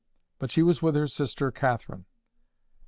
But she was with her sister Catherine.